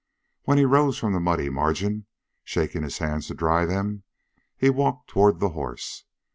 When he rose from the muddy margin, shaking his hands as to dry them, he walked toward the horse.